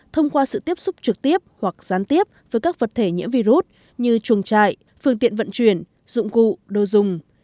thông qua sự tiếp xúc trực tiếp hoặc gián tiếp với các vật thể nhiễm virus như chuồng trại phương tiện vận chuyển dụng cụ đồ dùng